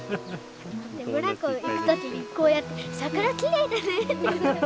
ブランコ行く時にこうやって「桜きれいだね！」って。